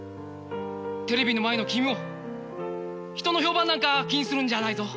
テレビの前の君も人の評判なんか気にするんじゃないぞ。